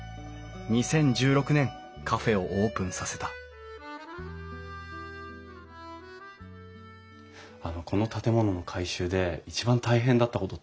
２０１６年カフェをオープンさせたこの建物の改修で一番大変だったことって何ですか？